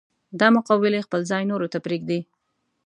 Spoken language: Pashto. دا مقولې خپل ځای نورو ته پرېږدي.